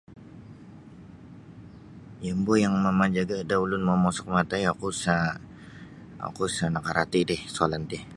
Yombo' yang mamajaga' da ulun momossok matai oku sa' oku sa' nakarati' ti soalan ti.